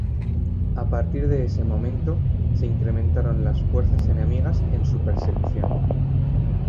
A partir de ese momento, se incrementaron las fuerzas enemigas en su persecución.